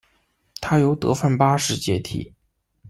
他由德范八世接替。